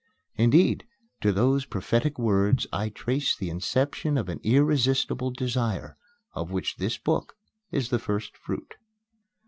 Indeed, to these prophetic words I trace the inception of an irresistible desire, of which this book is the first fruit.